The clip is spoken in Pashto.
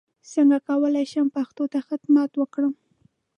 څنګه کولای شم پښتو ته خدمت وکړم